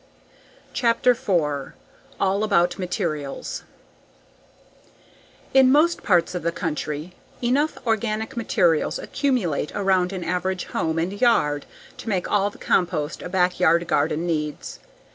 CHAPTER FOUR All About Materials In most parts of the country, enough organic materials accumulate around an average home and yard to make all the compost a backyard garden needs.